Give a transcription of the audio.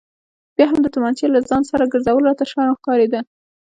بیا هم د تومانچې له ځانه سره ګرځول راته شرم ښکارېده.